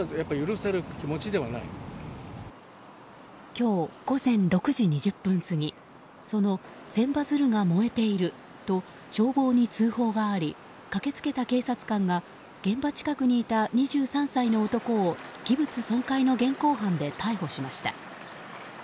今日午前６時２０分過ぎその千羽鶴が燃えていると消防に通報があり駆けつけた警察官が現場近くにいた２３歳の男を器物損壊の現行犯で逮捕しました。